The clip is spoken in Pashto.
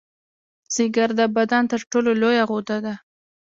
ځیګر د بدن تر ټولو لویه غده ده